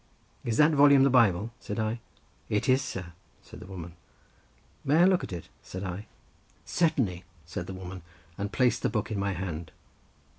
"Is that volume the Bible?" said I. "It is, sir," said the woman. "May I look at it?" said I. "Certainly," said the woman, and placed the book in my hand.